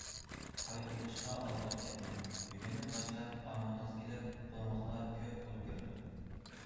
قايتۇرۇۋېلىشقا ئالدىراپ كەتمەڭ، بۈگۈندىن باشلاپ ئامىتىڭىز كېلىپ، قولىڭىزغا كۆپ پۇل كىرىدۇ.